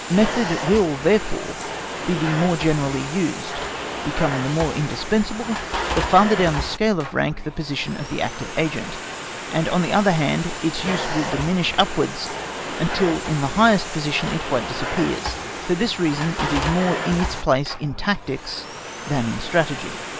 Method will therefore be the more generally used, become the more indispensable, the farther down the scale of rank the position of the active agent; and on the other hand, its use will diminish upwards, until in the highest position it quite disappears. For this reason it is more in its place in tactics than in strategy.